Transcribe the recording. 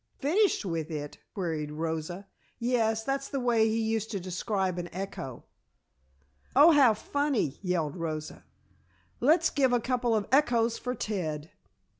"Finished with it?" queried Rosa. "Yes; that's the way he used to describe an echo." "Oh, how funny!" yelled Rosa. "Let's give a couple of echoes for Ted."